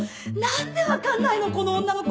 何で分かんないの？